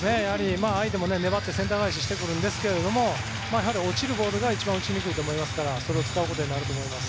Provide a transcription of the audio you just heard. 相手も粘ってセンター返ししてくるんですが落ちるボールが一番打ちにくいと思いますからそれを使うことになると思います。